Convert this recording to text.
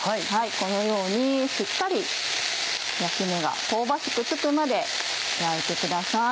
このようにしっかり焼き目が香ばしくつくまで焼いてください。